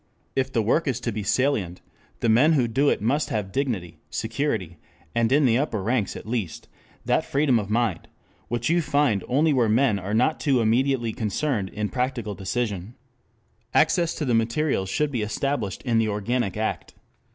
If the work is to be salient, the men who do it must have dignity, security, and, in the upper ranks at least, that freedom of mind which you find only where men are not too immediately concerned in practical decision. Access to the materials should be established in the organic act.